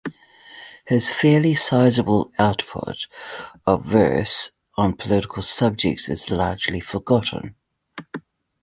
His fairly sizeable output of verse on political subjects is largely forgotten.